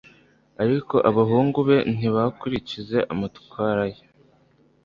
ariko abahungu be ntibakurikize amatwara ye